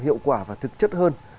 hiệu quả và thực chất hơn